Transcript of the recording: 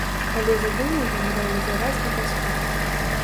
Але задуму ён рэалізаваць не паспеў.